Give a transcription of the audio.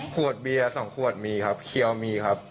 ขวดเบียร์๒ขวดมีครับเขียวมีครับ